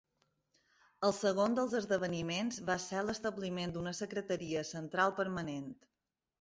El segon dels esdeveniments va ser l'establiment d'una Secretaria Central permanent.